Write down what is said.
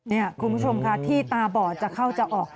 นี่คุณผู้ชมค่ะที่ตาบอดจะเข้าจะออก